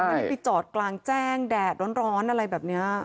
ไม่ได้ไปจอดกลางแจ้งแดดร้อนอะไรแบบนี้